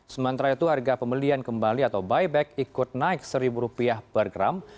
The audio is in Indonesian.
sementara itu harga pembelian kembali atau buyback ikut naik rp satu per gram